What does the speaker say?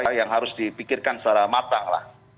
suatu apa yang harus dipikirkan secara matang lah